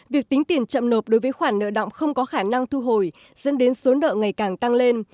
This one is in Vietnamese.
việc tính tiền chậm nộp đối với khoản nợ động không có khả năng thu hồi dẫn đến số nợ ngày càng tăng lên